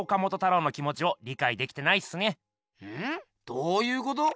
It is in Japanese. どうゆうこと？